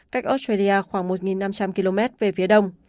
cách australia khoảng một năm trăm linh km về phía đông